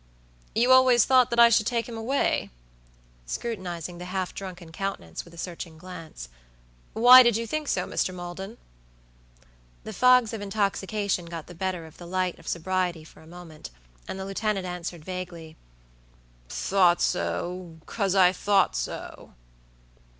"You always thought that I should take him away?" scrutinizing the half drunken countenance with a searching glance. "Why did you think so, Mr. Maldon?" The fogs of intoxication got the better of the light of sobriety for a moment, and the lieutenant answered vaguely: "Thought so'cause I thought so."